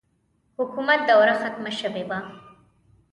حکومت دوره ختمه شوې وه.